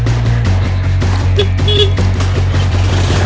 aku mau pergi ke rumah